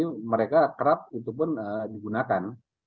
tapi sekarang mereka kerap itu pun digunakan